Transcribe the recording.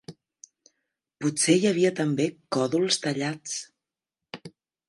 Potser hi havia també còdols tallats.